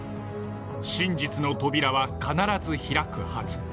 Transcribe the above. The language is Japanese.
真実の扉は必ず開くはず。